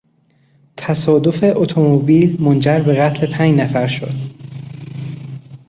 تصادف اتومبیل منجر به قتل پنج نفر شد.